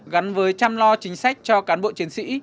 gắn với chăm lo chính sách cho cán bộ chiến sĩ